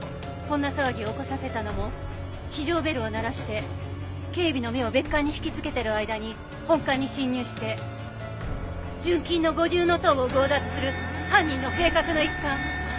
こんな騒ぎを起こさせたのも非常ベルを鳴らして警備の目を別館に引きつけてる間に本館に侵入して純金の五重塔を強奪する犯人の計画の一環。